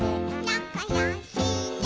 「なかよしね」